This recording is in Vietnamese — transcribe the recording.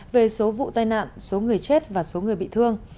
về số vụ tai nạn số người chết và số người bị thương